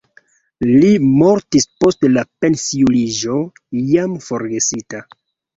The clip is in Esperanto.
Li mortis post la pensiuliĝo jam forgesita.